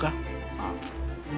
ああ。